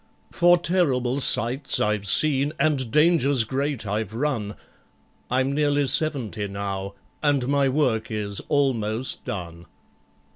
For terrible sights I've seen, and dangers great I've run— I'm nearly seventy now, and my work is almost done!